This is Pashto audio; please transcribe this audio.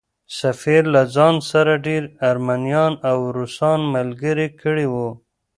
سفیر له ځان سره ډېر ارمنیان او روسان ملګري کړي وو.